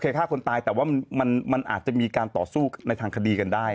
ฆ่าคนตายแต่ว่ามันอาจจะมีการต่อสู้ในทางคดีกันได้